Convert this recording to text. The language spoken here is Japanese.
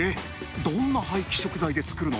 どんな廃棄食材で作るの？